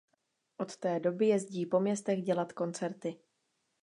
Od té doby jezdí po městech dělat koncerty.